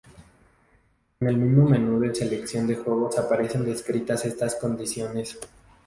En el mismo menú de selección de juegos aparecen descritas estas condiciones.